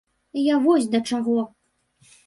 Я вось да чаго.